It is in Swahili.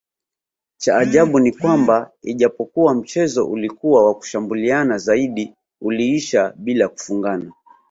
Cha ajabu ni kwamba ijapokua mchezo ulikua wa kushambuliana zaidi uliisha bila kufungana